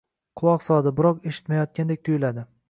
quloq soladi, biroq eshitmayotgandek tuyuladi